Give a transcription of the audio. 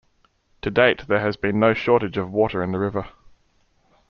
To date, there has been no shortage of water in the river.